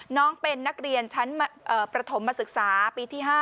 น้องเป็นนักเรียนชั้นประถมมาศึกษาปีที่๕